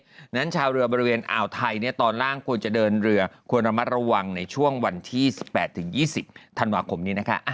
เพราะฉะนั้นชาวเรือบริเวณอ่าวไทยตอนล่างควรจะเดินเรือควรระมัดระวังในช่วงวันที่๑๘๒๐ธันวาคมนี้นะคะ